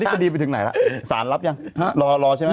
คดีไปถึงไหนล่ะสารรับยังรอใช่ไหม